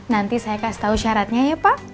nanti saya kasih tahu syaratnya ya pak